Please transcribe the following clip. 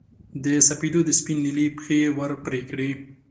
د سپېدو د سپین نیلي پښې یې ور پرې کړې